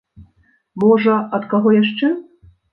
Можа, ад каго яшчэ.